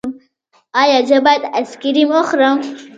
ایا زه باید آیسکریم وخورم؟